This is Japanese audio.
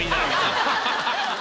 アハハハ！